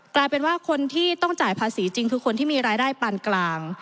กลายเป็นว่าคนที่ต้องจ่ายภาษีจริงคือคนที่มีรายได้ปานกลาง